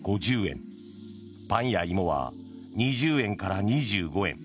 パンやイモは２０円から２５円。